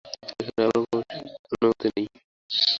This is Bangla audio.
এখানে আপনার প্রবেশের অনুমতি নেই।